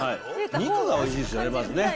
肉がおいしいですよね、まずね。